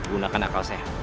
gunakan akal sehat